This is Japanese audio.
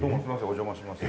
お邪魔します。